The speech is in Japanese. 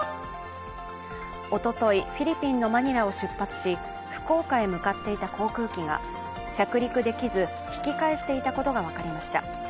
おととい、フィリピンのマニラを出発し福岡へ向かっていた航空機が着陸できず、引き返していたことが分かりました。